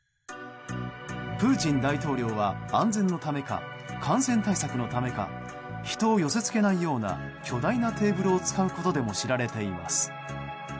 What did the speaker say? プーチン大統領は安全のためか感染対策のためか人を寄せ付けないような巨大なテーブルを使うことでも知られています。